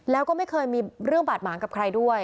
แล้วก็ไม่เคยมีเรื่องบาดหมางกับใครด้วย